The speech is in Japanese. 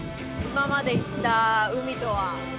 今まで行った海とは。